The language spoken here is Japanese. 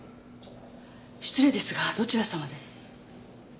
失礼ですがどちら様で？